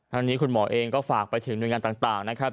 ทางนี้คุณหมอเองก็ฝากไปถึงหน่วยงานต่างนะครับ